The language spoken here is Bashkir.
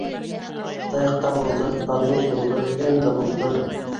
Таяҡтар булды, поднос булды, лента булды.